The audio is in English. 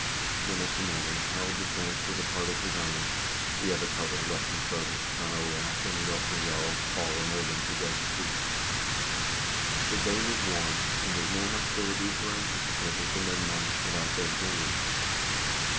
The next morning Harald advanced with a part of his army ; the other part was left in charge of his son Olav and the Orkney jarls Paul and Erlend to guard the fleet. The day was warm, and, as no hostilities were anticipated, the men marched without their brynies.